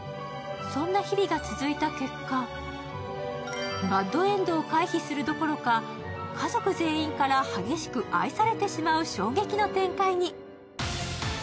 そんな日々が続いた結果、バッドエンドを回避するどころか家族全員から激しく愛されてしまう衝撃の展開に。